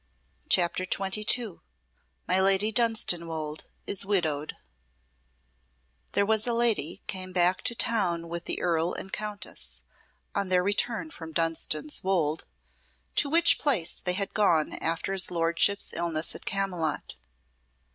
CHAPTER XXII My Lady Dunstanwolde is Widowed There was a lady came back to town with the Earl and Countess, on their return from Dunstan's Wolde, to which place they had gone after his lordship's illness at Camylott.